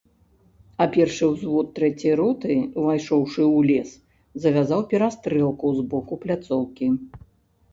А першы ўзвод трэцяй роты, увайшоўшы ў лес, завязаў перастрэлку з боку пляцоўкі.